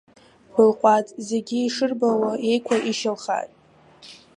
Былҟәаҵ, зегьы ишырбауа иеиқәа ишьылхааит.